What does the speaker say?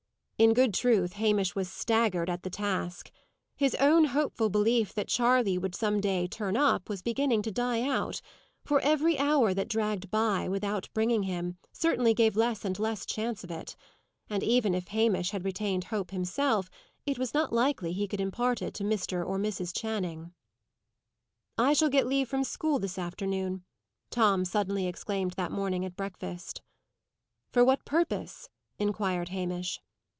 In good truth, Hamish was staggered at the task. His own hopeful belief that Charley would some day "turn up," was beginning to die out; for every hour that dragged by, without bringing him, certainly gave less and less chance of it. And even if Hamish had retained hope himself, it was not likely he could impart it to Mr. or Mrs. Channing. "I shall get leave from school this afternoon," Tom suddenly exclaimed that morning at breakfast. "For what purpose?" inquired Hamish.